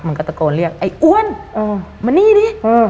มันก็ตะโกนเรียกไอ้อ้วนมานี่ดิ